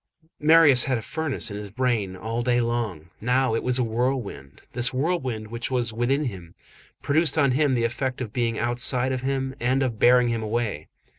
Marius had had a furnace in his brain all day long; now it was a whirlwind. This whirlwind which was within him, produced on him the effect of being outside of him and of bearing him away.